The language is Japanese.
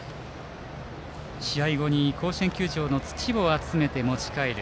試合後に甲子園球場の土を集めて持ち帰る